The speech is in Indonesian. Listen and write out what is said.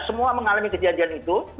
semua mengalami kejadian itu